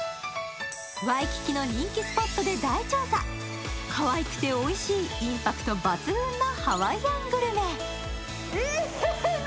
ワイキキの人気スポットで大調査かわいくておいしいインパクト抜群なハワイアングルメ・えっ何？